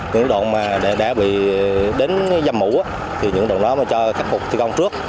những đoạn mà đã bị đến dâm mũ thì những đoạn đó mà cho khắc phục thi công trước